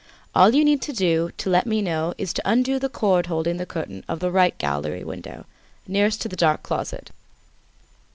All you need do to let me know is to undo the cord holding the curtain of the 'right' gallery window, nearest to the dark closet.